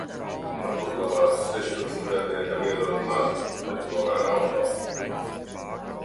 Varbūt labāk sešpadsmitgadniekam iedot mazu, bet tomēr auto.